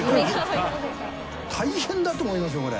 大変だと思いますよこれ。